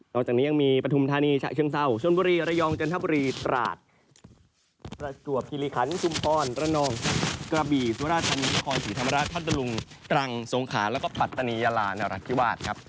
จากนี้ยังมีปฐุมธานีฉะเชิงเศร้าชนบุรีระยองจันทบุรีตราดประจวบคิริคันชุมพรระนองกระบีสุราชธานีนครศรีธรรมราชพัทธรุงตรังสงขาแล้วก็ปัตตานียาลานรัฐธิวาสครับ